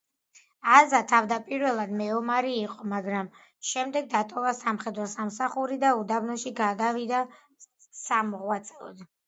აზა თავდაპირველად მეომარი იყო, მაგრამ შემდეგ დატოვა სამხედრო სამსახური და უდაბნოში გავიდა სამოღვაწეოდ.